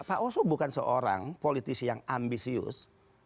pak oso bukan seorang politisi yang ambisius